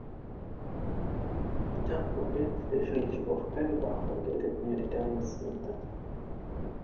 The town contains the village of Elba, located near the town's center.